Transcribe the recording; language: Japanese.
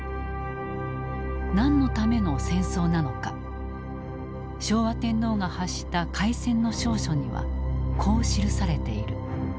何のための戦争なのか昭和天皇が発した開戦の詔書にはこう記されている。